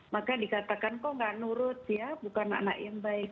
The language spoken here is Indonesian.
maka dikatakan kok gak nurut ya bukan anak yang baik